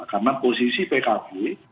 karena posisi pkp